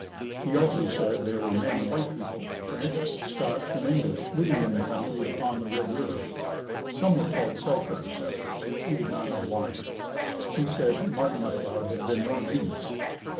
He also said there were many white people, French, Scotch and English living in the country upon the Red River. Some were called Selkirk settlers. He did not know why. He said Martin McLeod had been one of these.